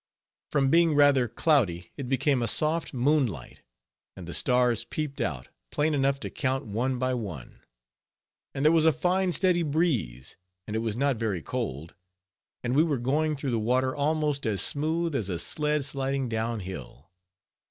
From being rather cloudy, it became a soft moonlight; and the stars peeped out, plain enough to count one by one; and there was a fine steady breeze; and it was not very cold; and we were going through the water almost as smooth as a sled sliding down hill.